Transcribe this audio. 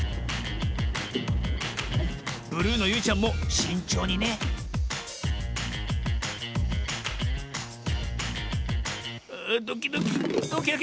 ブルーのゆいちゃんもしんちょうにねドキドキドキドキ。